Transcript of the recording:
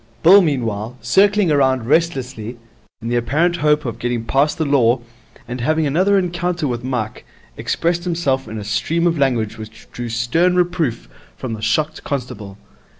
Bill, meanwhile, circling round restlessly, in the apparent hope of getting past the Law and having another encounter with Mike, expressed himself in a stream of language which drew stern reproof from the shocked constable.